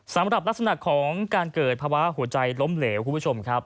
สำหรับลักษณะของการเกิดภาวะหัวใจล้มเหลวคุณผู้ชมครับ